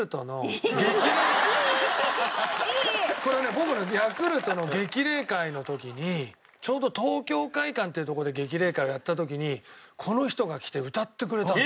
僕がヤクルトの激励会の時にちょうど東京會舘っていう所で激励会をやった時にこの人が来て歌ってくれたの。